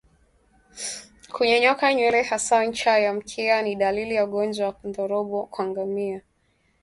Kunyonyoka nywele hasa ncha ya mkia ni dalili za ugonjwa wa ndorobo kwa ngamia